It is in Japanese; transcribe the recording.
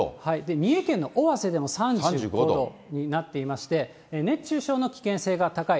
三重県の尾鷲でも３５度になっていまして、熱中症の危険性が高い。